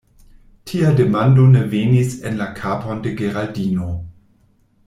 Tia demando ne venis en la kapon de Geraldino: